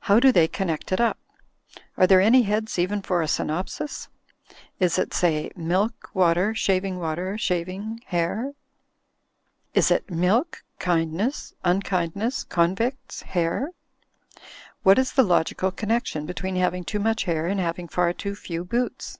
How do they connect it up? Are there any heads even for a synopsis? Is it, say, *milk — ^water — shaving water — ^shaving — ^hair?* Is it *milk — ^kindness — ^un kindness— convicts — ^hair?* What is the logical con nection between having too much hair and having far too few boots?